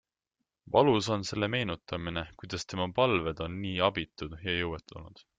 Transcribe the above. Valus on selle meenutamine, kuidas tema palved on nii abitud ja jõuetud olnud.